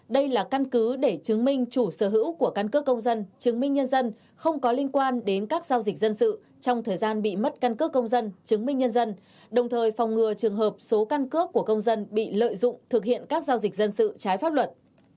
đây là căn cứ để chứng minh chủ sở hữu của căn cước công dân chứng minh nhân dân không có liên quan đến các giao dịch dân sự trong thời gian bị mất căn cước công dân chứng minh nhân dân đồng thời phòng ngừa trường hợp số căn cước của công dân bị lợi dụng thực hiện các giao dịch dân sự trái pháp luật